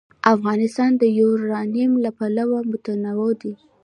افغانستان د یورانیم له پلوه متنوع دی.